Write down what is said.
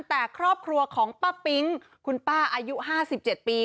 แต่ครอบครัวของป้าปิ๊งคุณป้าอายุ๕๗ปี